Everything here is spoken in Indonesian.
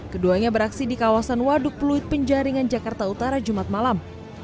keduanya beraksi di kawasan waduk pluit penjaringan jakarta utara jumat malam